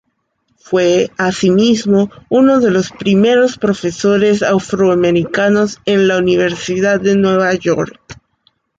Fue, asimismo, uno de los primeros profesores afroamericanos en la Universidad de Nueva York.